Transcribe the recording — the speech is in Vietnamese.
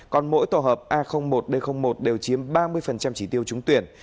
còn mỗi tổ hợp a một d một đều chiếm ba mươi trí tiêu trúng tuyển